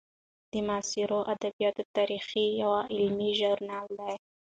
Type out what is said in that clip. د معاصرو ادبیاتو تاریخ یو علمي ژورنال دی.